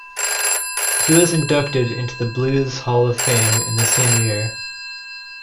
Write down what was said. He was inducted into the Blues Hall of Fame in the same year.